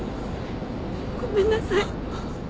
ごめんなさい